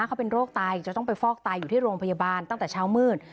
เขาเป็นโรคตายจะต้องไปฟอกไตอยู่ที่โรงพยาบาลตั้งแต่เช้ามืด